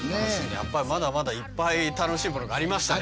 やっぱりまだまだいっぱい楽しいものがありましたね。